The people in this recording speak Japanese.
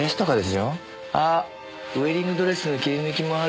あっウエディングドレスの切り抜きもある。